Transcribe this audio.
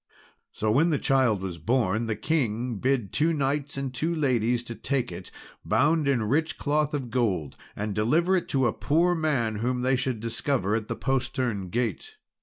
So when the child was born, the king bid two knights and two ladies to take it, bound in rich cloth of gold, and deliver it to a poor man whom they should discover at the postern gate.